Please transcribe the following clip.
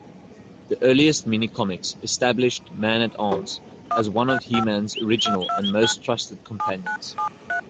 The earliest mini-comics establish Man-At-Arms as one of He-Man's original and most trusted companions.